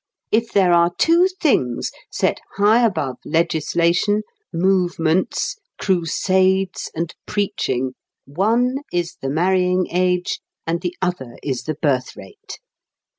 If there are two things set high above legislation, "movements," crusades, and preaching, one is the marrying age and the other is the birth rate.